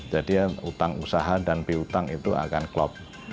jadi hutang usaha dan pihutang itu akan klop